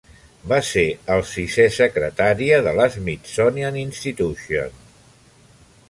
Va ser el sisè secretari de l'Smithsonian Institution.